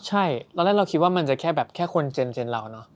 ใช่ตอนแรกเราคิดว่ามันจะแค่แบบแค่คนเจนเราเนอะ